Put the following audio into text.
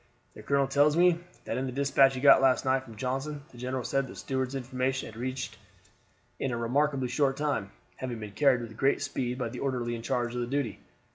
"The colonel tells me that in the despatch he got last night from Johnston the general said that Stuart's information had reached in a remarkably short time, having been carried with great speed by the orderly in charge of the duty.